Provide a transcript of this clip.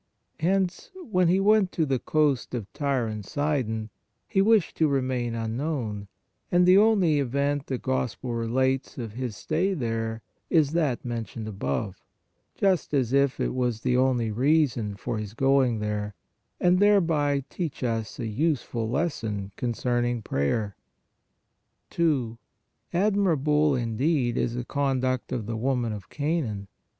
Hence, when He went to the coast of Tyre and Sidon, He wished to remain un known, and the only event the Gospel relates of His stay there is that mentioned above, just as if it was the only reason for His going there, and thereby teach us a useful lesson concerning prayer. 2. Admirable, indeed, is the conduct of the woman of Canaan!